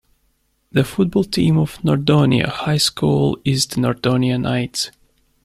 The football team of Nordonia High School is the Nordonia Knights.